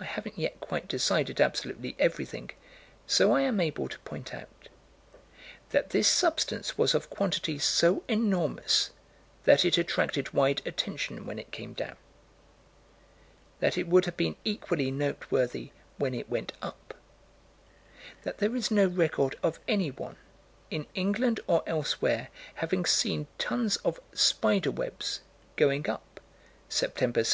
I haven't yet quite decided absolutely everything, so I am able to point out: That this substance was of quantity so enormous that it attracted wide attention when it came down That it would have been equally noteworthy when it went up That there is no record of anyone, in England or elsewhere, having seen tons of "spider webs" going up, September, 1741.